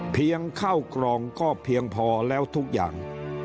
เพียงข้าวกล่องก็เพียงพอแล้วทุกอย่าง